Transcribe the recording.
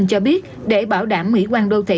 cho biết để bảo đảm mỹ quan đô thị